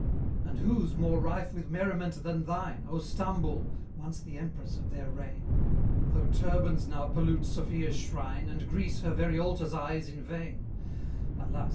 And whose more rife with merriment than thine, O Stamboul! once the empress of their reign? Though turbans now pollute Sophia's shrine And Greece her very altars eyes in vain: (Alas!